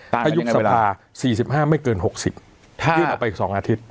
ถ้ายุบสภาสี่สิบห้าไม่เกินหกสิบยืดออกไปสองอาทิตย์